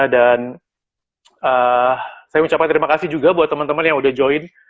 dan saya ucapkan terima kasih juga buat teman teman yang udah join